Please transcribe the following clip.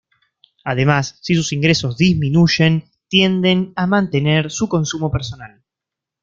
Además, si sus ingresos disminuyen, tienden a mantener su consumo personal.